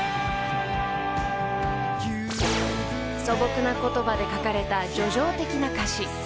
［素朴な言葉で書かれた叙情的な歌詞］